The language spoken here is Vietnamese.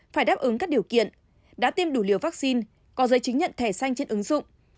phải đáp ứng các điều kiện đã tiêm đủ liều vaccine có giấy chứng nhận thẻ xanh trên ứng dụng